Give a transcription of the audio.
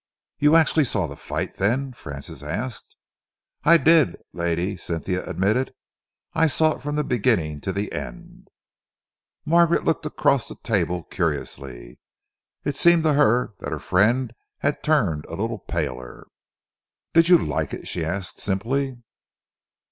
"You actually saw the fight, then?" Francis asked. "I did," Lady Cynthia admitted. "I saw it from the beginning to the end." Margaret looked across the table curiously. It seemed to her that her friend had turned a little paler. "Did you like it?" she asked simply.